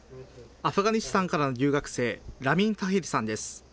アフガニスタンからの留学生、ラミン・タヘリさんです。